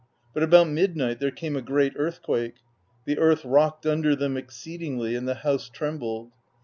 But about midnight there came a great earthquake: the earth rocked under them exceedingly, and the house trembled.